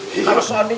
terus andi gak